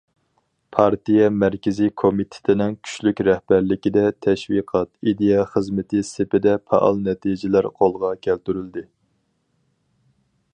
پارتىيە مەركىزىي كومىتېتىنىڭ كۈچلۈك رەھبەرلىكىدە، تەشۋىقات- ئىدىيە خىزمىتى سېپىدە پائال نەتىجىلەر قولغا كەلتۈرۈلدى.